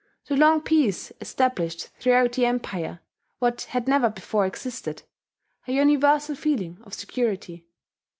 The long peace established throughout the Empire what had never before existed, a universal feeling of security.